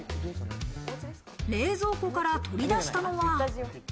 冷蔵庫から取り出したのは。